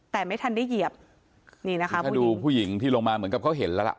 แต่ไม่ทันได้เหยียบนี่นะคะถ้าดูผู้หญิงที่ลงมาเหมือนกับเขาเห็นแล้วล่ะ